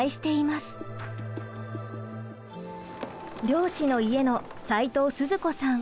漁師の家の斉藤鈴子さん。